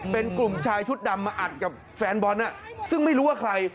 เป็นกลุ่มชายชุดดำมาอัดกับแฟนบอลซึ่งไม่รู้ว่าใคร